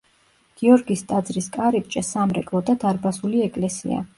გიორგის ტაძრის კარიბჭე, სამრეკლო და დარბაზული ეკლესია.